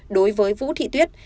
đối với phú thị tuyết